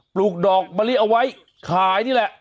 ลูกดอกมะลิเอาไว้ขายนี่แหละ